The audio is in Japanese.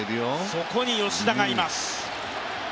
そこに吉田がいます。